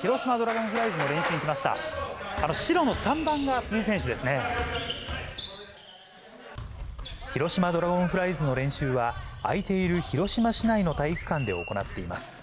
広島ドラゴンフライズの練習は、空いている広島市内の体育館で行っています。